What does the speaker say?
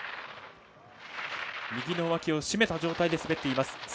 右の脇をしめた状態で滑っています。